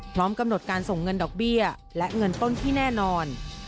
พร้อมกำหนดการส่งเงินดอกเบี้ยและเงินต้นที่แน่นอน